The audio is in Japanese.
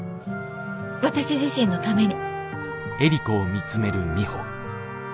私自身のために。